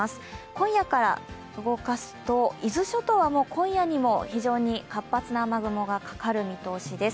今夜から動かすと、伊豆諸島は今夜にも非常に活発な雨雲がかかる見通しです。